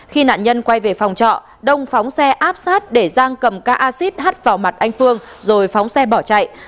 khi nạn nhân quay về phòng trọ đông phóng xe áp sát để giang cầm ca acid hắt vào mặt anh phương rồi phóng xe bỏ chạy